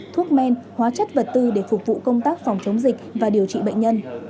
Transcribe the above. thuốc men hóa chất vật tư để phục vụ công tác phòng chống dịch và điều trị bệnh nhân